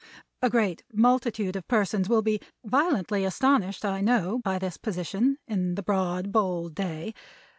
A great multitude of persons will be violently astonished, I know, by this position, in the broad bold Day.